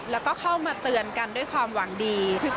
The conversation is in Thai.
แล้วก็เข้ามาเตือนกันด้วยความหวังดี